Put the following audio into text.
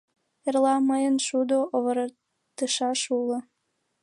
Эрла мыйын шудо овартышаш уло.